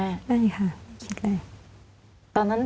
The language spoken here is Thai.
ได้ค่ะไม่คิดเลย